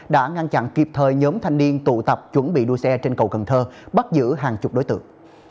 đã ngăn chặn kịp thời nhóm thanh niên tụ tập chuẩn bị đua xe trên cầu cần thơ bắt giữ hàng chục đối tượng